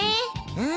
うん。